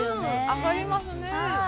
上がりますね。